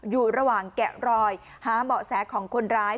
อยู่ระหว่างแกะรอยหาเบาะแสของคนร้าย